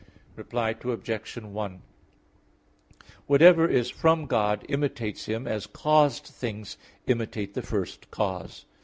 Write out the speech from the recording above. Reply Obj. 1: Whatever is from God imitates Him, as caused things imitate the first cause.